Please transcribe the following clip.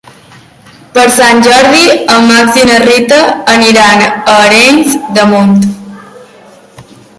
Per Sant Jordi en Max i na Rita aniran a Arenys de Munt.